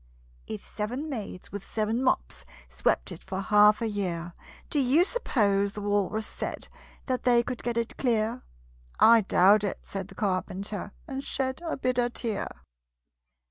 "If seven maids, with seven mops, Swept it for half a year, Do you suppose," the Walrus said, "That they could get it clear?" "I doubt it," said the Carpenter, And shed a bitter tear.